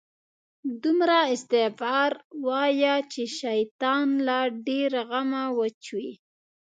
دومره استغفار وایه، چې شیطان له ډېره غمه وچوي